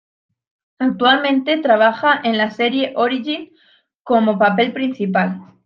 Actualmente trabaja en la serie Origin, como papel principal.